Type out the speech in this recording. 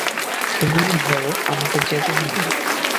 এগুলো ধর, আমাকে যেতে হবে।